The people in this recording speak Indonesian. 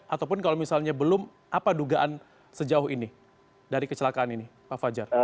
ataupun kalau misalnya belum apa dugaan sejauh ini dari kecelakaan ini pak fajar